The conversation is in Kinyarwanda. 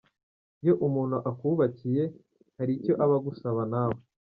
Iyo umuntu akubakiye hari icyo aba agusaba nawe